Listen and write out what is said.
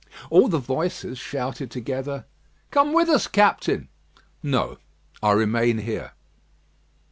All the voices shouted together: "Come with us, Captain." "No: I remain here."